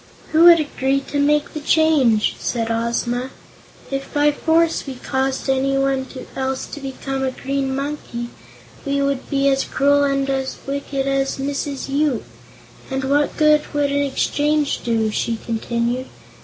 "Who would agree to make the change?" asked Ozma. "If by force we caused anyone else to become a Green Monkey, we would be as cruel and wicked as Mrs. Yoop. And what good would an exchange do?" she continued.